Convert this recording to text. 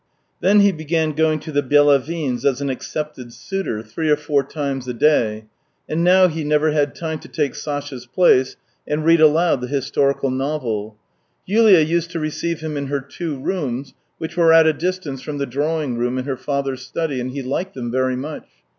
Then he began going to the Byelavins' as an accepted suitor, three or four times a day; and now he never had time to take Sasha's place and read aloud the historical novel. Yulia used to receive him in her two rooms, which were at a distance from the drawing room and her father's study, and he liked them very much.